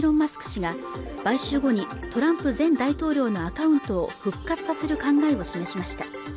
氏が買収後にトランプ前大統領のアカウントを復活させる考えを示しました